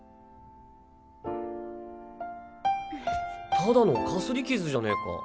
ただのかすり傷じゃねえか。